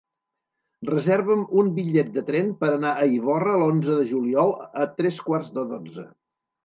Reserva'm un bitllet de tren per anar a Ivorra l'onze de juliol a tres quarts de dotze.